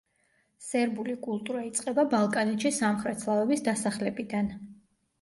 სერბული კულტურა იწყება ბალკანეთში სამხრეთ სლავების დასახლებიდან.